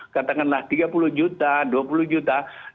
katakanlah tiga puluh juta dua puluh juta